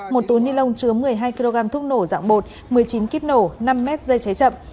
một túi ni lông chứa một mươi hai kg thuốc nổ dạng bột một mươi chín kíp nổ năm m dây cháy chậm